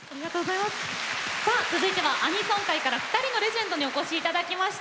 さあ続いてはアニソン界から２人のレジェンドにお越し頂きました。